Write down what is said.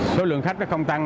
số lượng khách nó không tăng